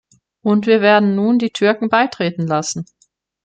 Und wir werden nun die Türken beitreten lassen.